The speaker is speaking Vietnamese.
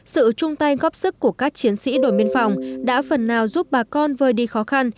sự chung tay góp sức của các chiến sĩ đồn biên phòng đã phần nào giúp bà con vơi đi khó khăn